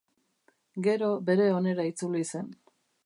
Gero bere onera itzuli zen.